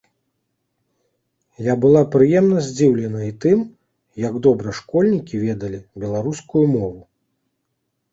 Я была прыемна здзіўленая і тым, як добра школьнікі ведалі беларускую мову.